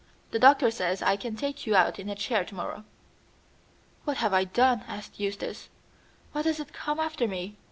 The doctor says I can take you out in a chair to morrow." "What have I done?" asked Eustace. "Why does it come after me?